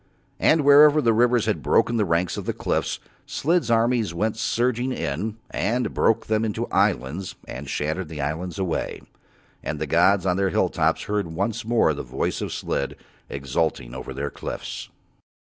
And wherever the rivers had broken the ranks of the cliffs, Slid's armies went surging in and broke them up into islands and shattered the islands away. And the gods on Their hill tops heard once more the voice of Slid exulting over Their cliffs.